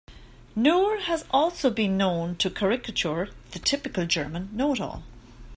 Nuhr has also been known to caricature the typical German know-it-all.